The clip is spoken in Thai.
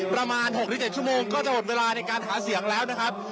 ประมาณ๖๗ชั่วโมงก็จะหมดเวลาในการหาเสียงแล้วนะครับ